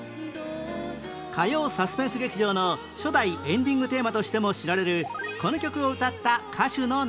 『火曜サスペンス劇場』の初代エンディングテーマとしても知られるこの曲を歌った歌手の名前は？